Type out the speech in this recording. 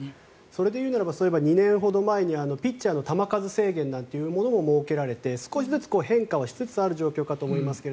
それで言うならば２年ほど前にピッチャーの球数制限も設けられて少しずつ変化しつつある状況かと思いますが。